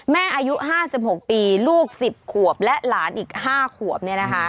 อายุ๕๖ปีลูก๑๐ขวบและหลานอีก๕ขวบ